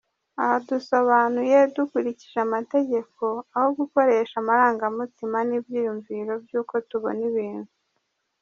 Aha dusobanuye dukurikije amategeko, aho gukoresha amarangamutima n’ibyiyumviro by’uko tubona ibintu.